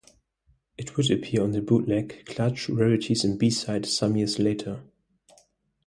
It would appear on the bootleg 'Clutch: Rarities and B-Side' some years latter.